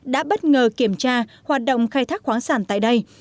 đã bất ngờ kiểm tra hoạt động khai thác khoáng sản tại đây